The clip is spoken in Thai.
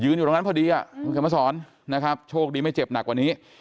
อยู่ตรงนั้นพอดีคุณเขียนมาสอนนะครับโชคดีไม่เจ็บหนักกว่านี้